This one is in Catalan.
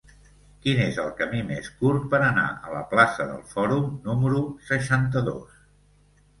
Quin és el camí més curt per anar a la plaça del Fòrum número seixanta-dos?